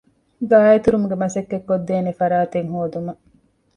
ގާއެތުރުމުގެ މަސައްކަތްކޮށްދޭނެ ފަރާތެއް ހޯދުމަށް